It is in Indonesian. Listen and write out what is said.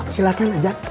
silahkan ajan ustaz